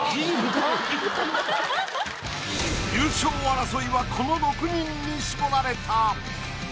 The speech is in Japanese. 優勝争いはこの６人に絞られた。